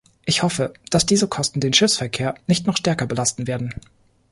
Ich hoffe, dass diese Kosten den Schiffsverkehr nicht noch stärker belasten werden.